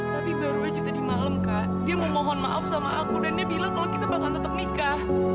tapi baru aja tadi malam kak dia memohon maaf sama aku dan dia bilang kalau kita bakal tetap nikah